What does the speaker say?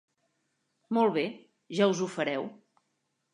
Molt bé, ja us ho fareu.